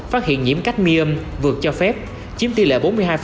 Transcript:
phát hiện nhiễm cadmium vượt cho phép chiếm tỷ lệ bốn mươi hai